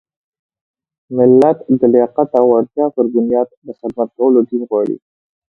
ملت د لیاقت او وړتیا پر بنیاد د خدمت کولو ټیم غواړي.